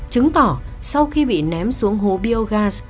chứng tỏ sau khi bị ném xuống hố biogas